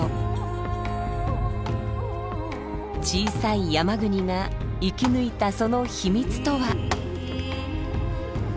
小さい山国が生き抜いたその秘密とは？